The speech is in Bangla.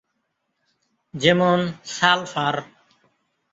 যেমন: সালফার।